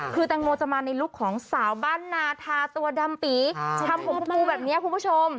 คือแตงโมจะมาในลุคของสาวบ้านนาทาตัวดำปีทำผมฟูแบบนี้คุณผู้ชม